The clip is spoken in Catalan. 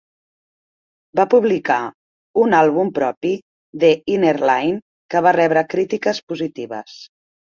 Va publicar un àlbum propi, "The Inner Line", que va rebre crítiques positives.